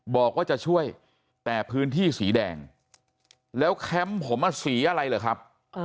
บอกว่าจะช่วยแต่พื้นที่สีแดงแล้วแคมป์ผมสีอะไรเหรอครับ